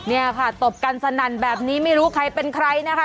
เนี่ยค่ะตบกันสนั่นแบบนี้ไม่รู้ใครเป็นใครนะคะ